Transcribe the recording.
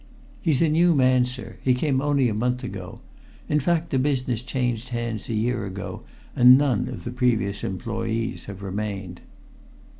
"He's a new man, sir. He only came a month ago. In fact, the business changed hands a year ago, and none of the previous employees have remained."